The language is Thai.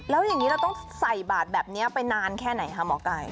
แล้วอย่างนี้เราต้องใส่บาทแบบนี้ไปนานแค่ไหนคะหมอไก่